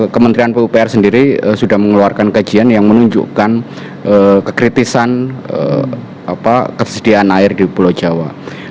sembilan puluh enam kementerian pupr sendiri sudah mengeluarkan kajian yang menunjukkan kekritisan ketersediaan air di pulau jawa